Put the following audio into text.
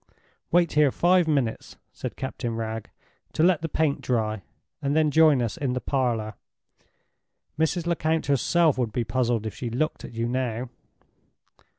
"Wait here five minutes," said Captain Wragge, "to let the paint dry—and then join us in the parlor. Mrs. Lecount herself would be puzzled if she looked at you now."